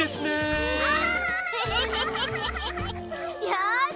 よし！